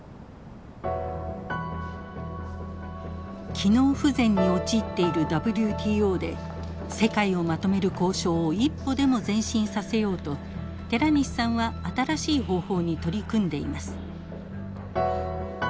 機能不全に陥っているＷＴＯで世界をまとめる交渉を一歩でも前進させようと寺西さんは新しい方法に取り組んでいます。